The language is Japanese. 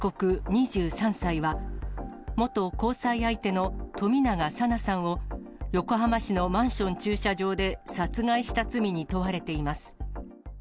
２３歳は、元交際相手の冨永紗菜さんを、横浜市のマンション駐車場で殺害した罪に問われています。